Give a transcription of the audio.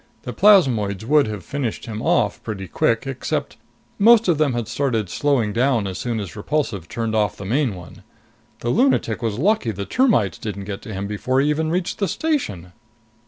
The plasmoids would have finished him off pretty quick, except most of them had started slowing down as soon as Repulsive turned off the main one. The lunatic was lucky the termites didn't get to him before he even reached the station!"